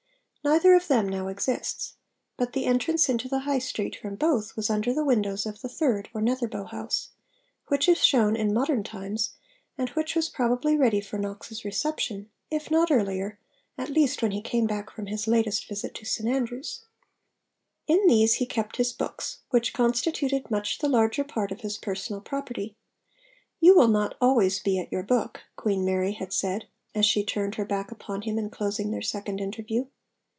Neither of them now exists; but the entrance into the High Street from both was under the windows of the third or Netherbow house, which is shewn in modern times, and which was probably ready for Knox's reception, if not earlier, at least when he came back from his latest visit to St Andrews. In these he kept his books, which constituted much the larger part of his personal property ('you will not always be at your book,' Queen Mary had said, as she turned her back upon him in closing their second interview).